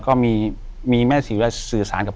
อยู่ที่แม่ศรีวิรัยิลครับ